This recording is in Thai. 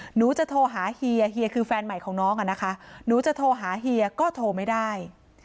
หนูจะโทรหาเฮียเฮียคือแฟนใหม่ของน้องอะนะคะหนูจะโทรหาเฮียก็โทรไม่ได้